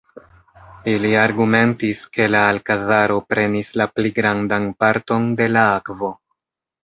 Ili argumentis, ke la Alkazaro prenis la pli grandan parton de la akvo.